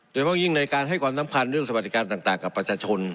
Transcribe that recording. โดยเพราะยิ่งในการให้ความสำคัญเรื่องสวัสดิการต่างกับประชาชน